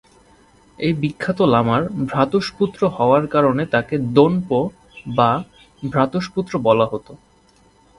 এই বিখ্যাত লামার ভ্রাতুষ্পুত্র হওয়ার কারণে তাকে দ্বোন-পো বা ভ্রাতুষ্পুত্র বলা হত।